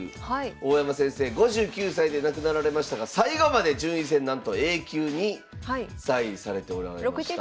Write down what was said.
大山先生５９歳で亡くなられましたが最後まで順位戦なんとＡ級に在位されておられました。